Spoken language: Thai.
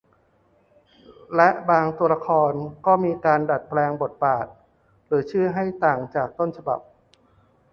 และบางตัวละครก็มีการดัดแปลงบทบาทหรือชื่อให้ต่างจากต้นฉบับ